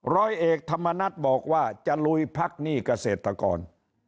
ร้อยเอกธรรมนัฏบอกว่าจะลุยพักหนี้เกษตรกร